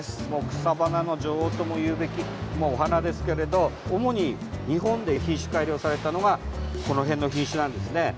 草花の女王ともいうべきお花ですけれど主に日本で品種改良されたのがこの辺の品種ですね。